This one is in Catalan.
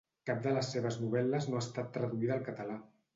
Cap de les seves novel·les no ha estat traduïda al català.